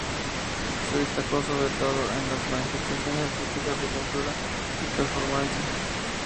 Se destacó, sobre todo, en las manifestaciones artísticas de pintura y performance.